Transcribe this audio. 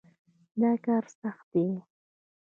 دا کار سخت دی.